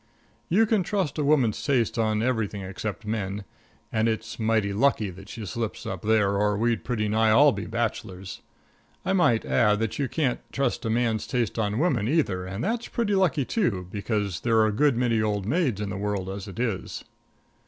You can trust a woman's taste on everything except men; and it's mighty lucky that she slips up there or we'd pretty nigh all be bachelors. I might add that you can't trust a man's taste on women, either, and that's pretty lucky, too, because there are a good many old maids in the world as it is.